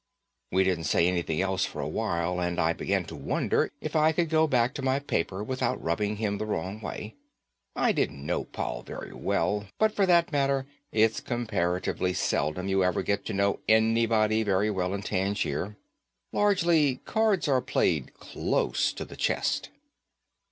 We didn't say anything else for a while and I began to wonder if I could go back to my paper without rubbing him the wrong way. I didn't know Paul very well, but, for that matter, it's comparatively seldom you ever get to know anybody very well in Tangier. Largely, cards are played close to the chest.